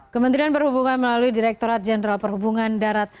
kementerian perhubungan melalui direkturat jenderal perhubungan darat